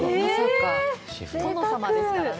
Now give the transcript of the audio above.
お殿様ですからね。